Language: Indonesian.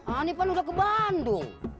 ani kan udah ke bandung